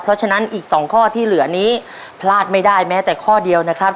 เพราะฉะนั้นอีก๒ข้อที่เหลือนี้พลาดไม่ได้แม้แต่ข้อเดียวนะครับ